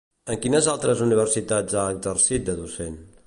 En quines altres universitats ha exercit de docent?